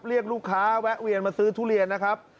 เรียกลูกค้าแวะเวียนมาซื้อทุเรียนนะครับ